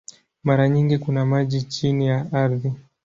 Mara nyingi kuna maji chini ya ardhi.